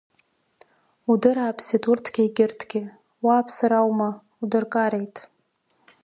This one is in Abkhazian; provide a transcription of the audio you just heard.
Удырааԥсеит урҭгьы егьырҭгьы, уааԥсара аума, удыркареит.